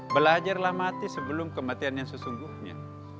belajarlah mati sebelum kematian yang sesungguhnya